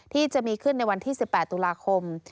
ที่จะมีขึ้นในวันที่๑๘ตุลาคม